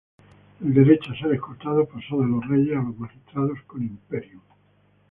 El derecho a ser escoltado pasó de los reyes a los magistrados con "imperium".